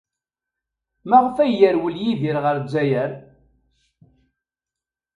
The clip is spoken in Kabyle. Maɣef ay yerwel Yidir ɣer Lezzayer?